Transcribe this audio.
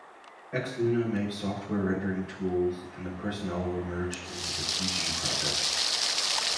Exluna made software rendering tools and the personnel were merged into the Cg project.